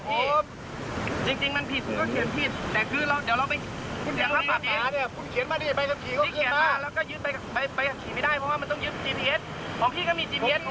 แต่ผมถามว่า